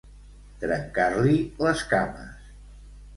Trencar-li les cames.